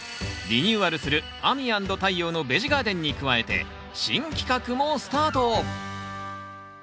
リニューアルする「亜美＆太陽のベジガーデン」に加えて新企画もスタート！